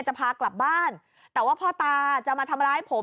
จะพากลับบ้านแต่ว่าพ่อตาจะมาทำร้ายผม